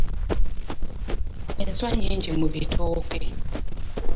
Enswa nnyingi mu bitooke.